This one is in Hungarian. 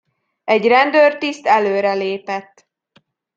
Egy rendőrtiszt előrelépett.